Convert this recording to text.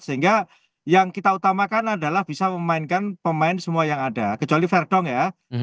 sehingga yang kita utamakan adalah bisa memainkan pemain semua yang ada kecuali fair dong ya